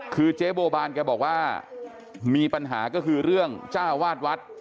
คือเจ๊บัวบานแกบอกว่ามีปัญหาก็คือเรื่องจ้าวาดวัด